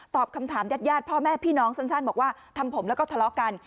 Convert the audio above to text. คำถามญาติพ่อแม่พี่น้องสั้นบอกว่าทำผมแล้วก็ทะเลาะกัน